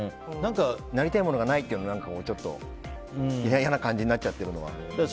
なりたいものがないっていうのもちょっと嫌な感じになっちゃってるのが。